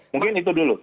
mungkin itu dulu